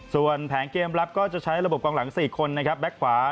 ส่วนแผนเกมรับก็จะใช้ระบบกองหลัง๔คนนะครับแก๊กขวา